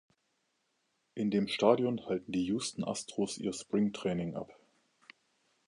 In dem Stadion halten die Houston Astros ihr "Spring Training" ab.